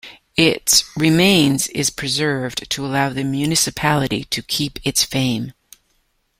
Its remains is preserved to allow the municipality to keep its fame.